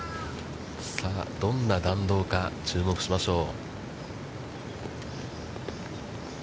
さあ、どんな弾道か、注目しましょう。